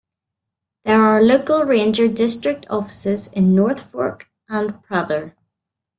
There are local ranger district offices in North Fork and Prather.